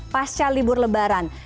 pasca libur lebaran